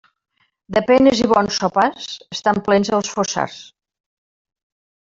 De penes i bons sopars estan plens els fossars.